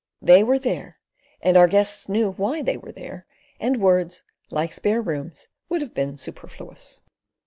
They were there, and our guests knew why they were there, and words, like the spare rooms, would have been superfluous.